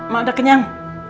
mak udah kenyang